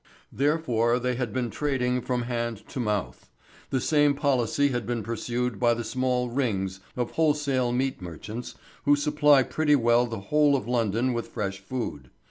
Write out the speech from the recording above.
Therefore they had been trading from hand to mouth. The same policy had been pursued by the small "rings" of wholesale meat merchants who supply pretty well the whole of London with flesh food.